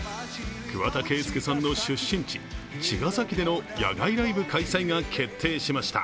桑田佳祐さんの出身地、茅ヶ崎での野外ライブ開催が決定しました。